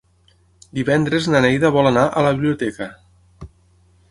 Divendres na Neida vol anar a la biblioteca.